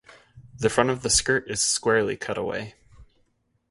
The front of the skirt is squarely cut away.